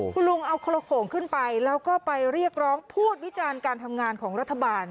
คุณลุงเอาคนละโขงขึ้นไปแล้วก็ไปเรียกร้องพูดวิจารณ์การทำงานของรัฐบาล